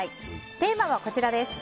テーマはこちらです。